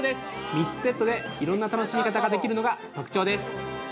３つセットでいろんな楽しみ方ができるのが特徴です。